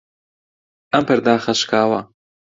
ئەم پەرداخە شکاوە.